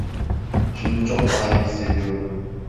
Şimdi çok daha iyi hissediyorum.